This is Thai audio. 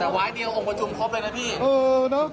แต่วายเดียวองค์ประชุมครบเลยนะพี่